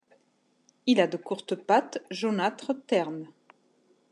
Il a de courtes pattes jaunâtre terne.